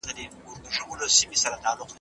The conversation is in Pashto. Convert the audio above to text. کمپيوټر ټيم جوړوي.